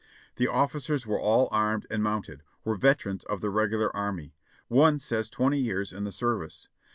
The officers were all armed and mounted, were veterans of the Regular Army — one says twenty years in the service.